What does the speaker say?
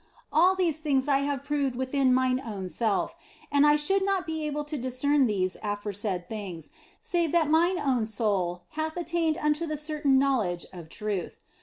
All these things have I proved within mine own self, and I should not be able to discern these aforesaid things save that mine own soul hath attained unto the certain know ledge of truth.